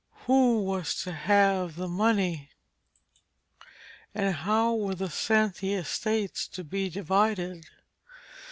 Who was to have the money, and how were the Santi estates to be divided?